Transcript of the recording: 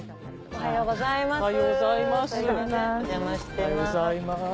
おはようございます。